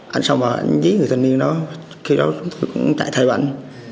anh xong rồi anh dí người thanh niên đó khi đó chúng tôi cũng chạy theo anh